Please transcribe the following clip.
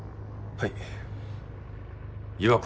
はい。